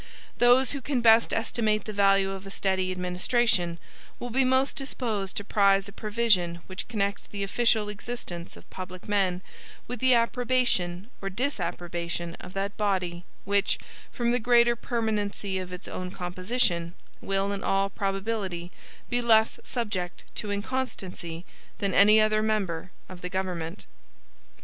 Those who can best estimate the value of a steady administration, will be most disposed to prize a provision which connects the official existence of public men with the approbation or disapprobation of that body which, from the greater permanency of its own composition, will in all probability be less subject to inconstancy than any other member of the government.